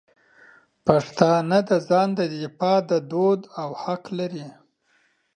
پښتانه د مارشل آرټ او د ځان د دفاع دود لري.